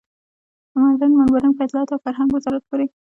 مډرن منبرونه په اطلاعاتو او فرهنګ وزارت پورې.